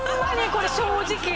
これ正直。